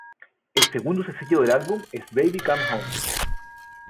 El segundo sencillo del álbum es Baby Come Home.